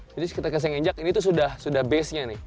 jadi kita kasih nginjak ini tuh sudah base nya nih